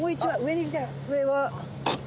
上は。